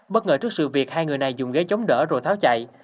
bất ngờ trước sự việc hai người này dùng ghế chống đỡ rồi tháo chạy